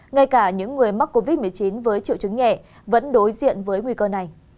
ngay cả những người mắc covid một mươi chín với triệu chứng nhẹ vẫn đối diện với nguy cơ này